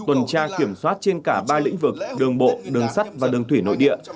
tuần tra kiểm soát trên cả ba lĩnh vực đường bộ đường sắt và đường thủy nội địa